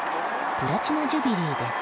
プラチナ・ジュビリーです。